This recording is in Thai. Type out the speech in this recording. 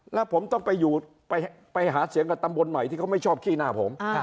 แล้วผมต้องไปหาเสียงกับตำบลใหม่ที่เขาไม่ชอบขี้หน้าผม